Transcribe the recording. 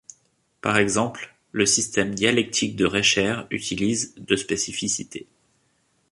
Par exemple, le système dialectique de Rescher utilise de spécificité.